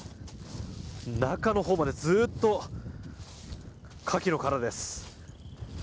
中のほうまでずっとカキの殻です。